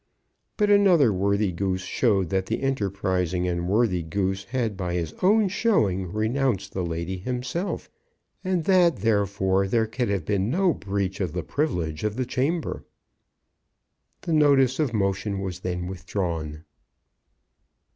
But another worthy Goose showed that the enterprising and worthy Goose had by his own showing renounced the lady himself, and that, therefore, there could have been no breach of the privilege of the chamber. The notice of motion was then withdrawn.